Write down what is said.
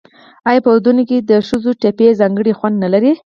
آیا په ودونو کې د ښځو ټپې ځانګړی خوند نلري؟